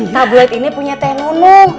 tabloid ini punya teh nunung